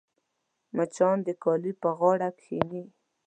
مچان د کالي پر غاړه کښېني